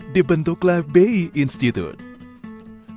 dibentuklah b i institute